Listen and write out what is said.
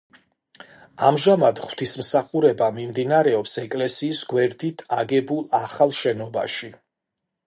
ამჟამად ღვთისმსახურება მიმდინარეობს ეკლესიის გვერდით აგებულ ახალ შენობაში.